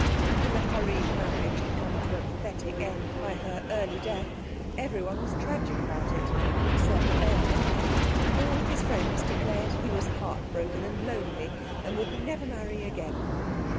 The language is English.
When the hurried marriage had come to a pathetic end by her early death everyone was tragic about it except Aylmer. All his friends declared he was heart broken and lonely and would never marry again.